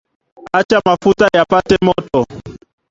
acha mafuta yapate moto